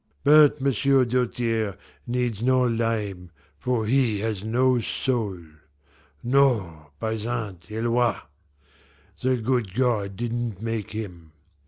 "But M'sieu' Doltaire needs no lime, for he has no soul. No, by Sainte Helois! The good God didn't make him.